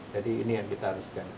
jadi ini yang kita harus jaga